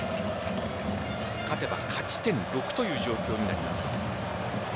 勝てば勝ち点６という状況になります。